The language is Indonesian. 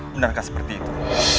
benarkah seperti itu